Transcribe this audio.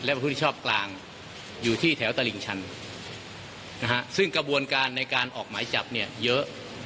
และผู้ที่ชอบกลางอยู่ที่แถวตลิ่งชันนะฮะซึ่งกระบวนการในการออกหมายจับเนี่ยเยอะ